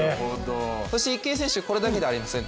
そして池江選手、これだけではありません。